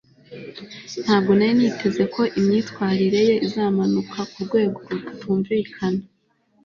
ntabwo nari niteze ko imyitwarire ye izamanuka kurwego rutumvikana